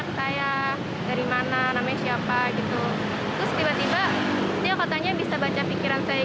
saya dari mana namanya siapa gitu terus tiba tiba dia katanya bisa baca pikiran saya